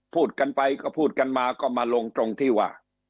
พูดกันไปก็พูดกันมาก็มาลงตรงที่ว่า